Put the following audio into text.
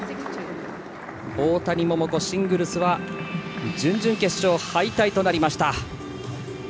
大谷桃子、シングルスは準々決勝敗退ということになりました。